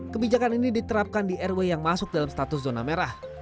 kebijakan ini diterapkan di rw yang masuk dalam status zona merah